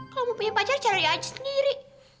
kalau mau punya pacar cari aja sendiri